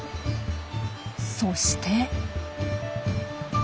そして。